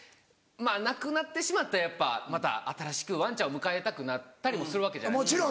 まぁ亡くなってしまったらやっぱまた新しくワンちゃんを迎えたくなったりもするわけじゃないですか。